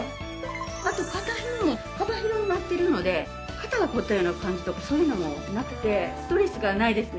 あと肩ひもも幅広になってるので肩が凝ったような感じとかそういうのもなくてストレスがないですね。